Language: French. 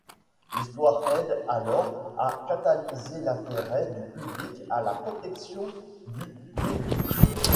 L'histoire aide alors à catalyser l'intérêt du public à la protection du bilby.